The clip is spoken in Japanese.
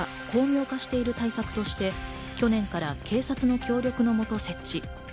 巧妙化している対策として、去年から警察の協力のもと設置。